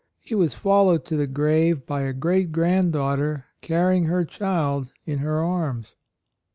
He was followed to the grave by a great granddaugh ter carrying: her child in her arms.